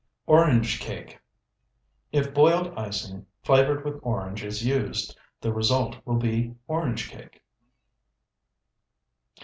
ORANGE CAKE If boiled icing flavored with orange is used, the result will be orange cake.